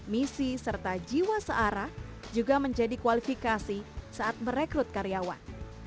misi serta jiwa searah juga menjadi kualifikasi saat merekrut karyawan